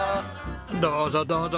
どうぞどうぞ。